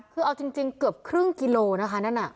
คือเอาจริงเกือบครึ่งกิโลนะคะนั่นน่ะ